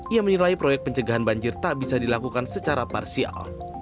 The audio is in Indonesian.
ia menilai proyek pencegahan banjir tak bisa dilakukan secara parsial